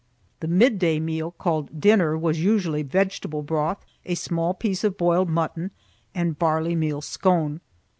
The midday meal, called dinner, was usually vegetable broth, a small piece of boiled mutton, and barley meal scone.